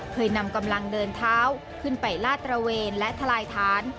เคยนำกำลังเดินเท้าขึ้นไปลาดตระเวนและทลายฐาน